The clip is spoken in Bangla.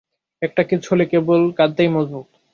একটা কিছু হলে কেবল কাঁদতেই মজবুত।